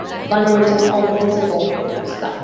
Vernon retained all of the principal staff.